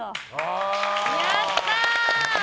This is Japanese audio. やったー！